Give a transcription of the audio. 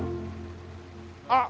あっ！